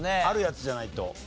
あるやつじゃないと。